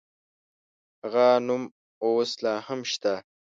هغه نوم اوس لا هم شته.